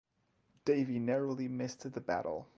Davie narrowly missed the battle.